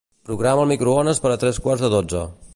Programa el microones per a tres quarts de dotze.